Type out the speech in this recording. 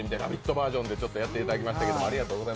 バージョンでやっていただきましたけど。